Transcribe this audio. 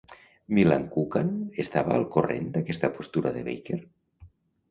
Milan Kucan estava al corrent d'aquesta postura de Baker?